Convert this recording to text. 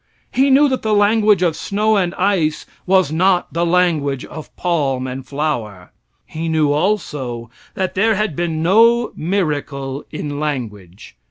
He knew that the language of snow and ice was not the language of palm and flower. He knew also that there had been no miracle in language.